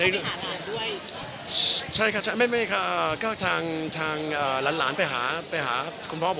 คุยกับคุณย่ากันไปหาหลานด้วย